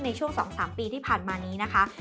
ในช่วง๒๓ปีที่ผ่านมานี้นะคะ